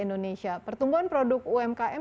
indonesia pertumbuhan produk umkm